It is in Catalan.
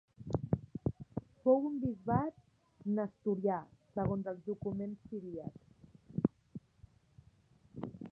Fou un bisbat nestorià segons els documents siríacs.